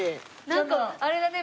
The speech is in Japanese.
なんかあれだね。